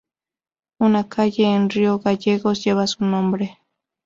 Una calle en Río Gallegos lleva su nombre.